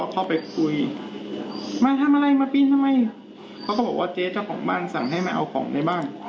เข้าไปคุยมาทำอะไรมาปีนทำไมเขาก็บอกว่าเจ๊เจ้าของบ้านสั่งให้มาเอาของในบ้าน